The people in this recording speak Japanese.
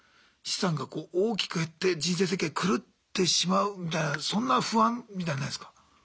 資産がこう大きく減って人生設計狂ってしまうみたいなそんな不安みたいのないすか？